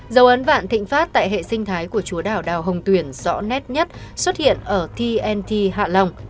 dầu ấn vạn thịnh phát tại hệ sinh thái của chúa đảo đào hồng tuyển rõ nét nhất xuất hiện ở tnt hạ long